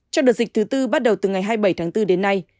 trong đợt dịch thứ tư bắt đầu từ ngày hai mươi bảy tháng bốn đến nay